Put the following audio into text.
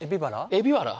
エビワラー？